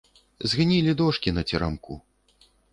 Згнілі дошкі на церамку.